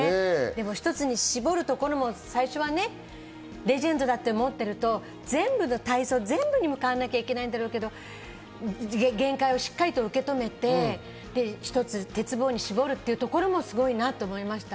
一つに絞るところも最初はレジェンドだって思ってると体操全部に向かわなきゃいけないだろうけど限界をしっかり受け止めて、１つ鉄棒に絞るっていうところもすごいなと思いました。